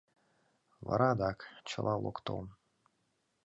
Вара адак: «Чыла локтылын!».